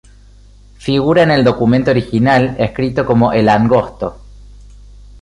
Figura en el documento original escrito como El Angosto.